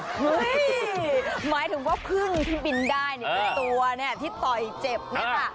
หมายถึงว่าพึ่งที่บินได้เนี่ยเป็นตัวเนี่ยที่ต่อยเจ็บเนี่ยค่ะ